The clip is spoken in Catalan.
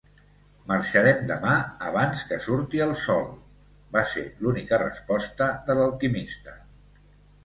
"Marxarem demà abans que surti el sol" va ser l'única resposta de l'alquimista.